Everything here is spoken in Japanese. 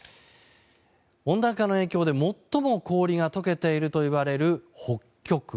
温暖化の影響で最も氷が解けているといわれる北極。